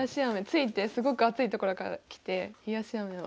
着いてすごく暑いところから来てひやしあめを。